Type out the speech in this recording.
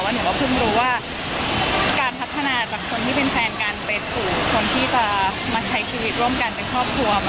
หนูก็เพิ่งรู้ว่าการพัฒนาจากคนที่เป็นแฟนกันไปสู่คนที่จะมาใช้ชีวิตร่วมกันเป็นครอบครัว